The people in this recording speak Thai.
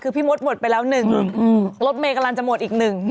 คือพี่มดหมดไปแล้วหนึ่งรถเมย์กำลังจะหมดอีกหนึ่ง